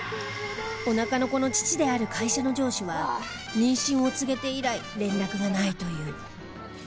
お腹の子の父である会社の上司は妊娠を告げて以来連絡がないという。